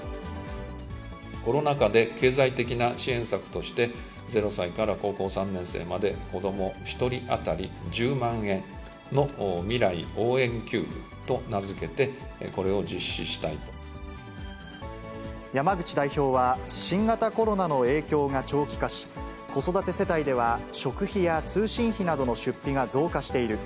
コロナ禍で経済的な支援策として、０歳から高校３年生まで、子ども１人当たり１０万円の未来応援給付と名付けて、これを実施山口代表は、新型コロナの影響が長期化し、子育て世帯では食費や通信費などの出費が増加している。